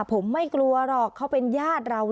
ผมไม่กลัวหรอกเขาเป็นญาติเรา